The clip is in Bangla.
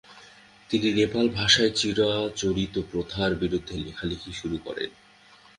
তিনি নেপাল ভাষায় চিরাচরিত প্রথার বিরুদ্ধে লেখালেখি শুরু করেন।